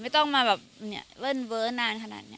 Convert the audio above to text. ไม่ต้องมาแบบเวิ้นเว้นนานขนาดนี้